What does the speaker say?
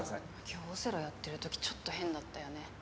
今日オセロやってる時ちょっと変だったよね。